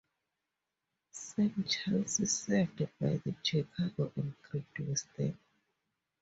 Saint Charles served by The Chicago and Great Western.